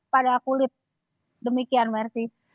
pada kulit demikian mersi